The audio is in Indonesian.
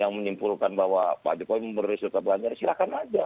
yang menyimpulkan bahwa pak jokowi memberi serta berani silahkan saja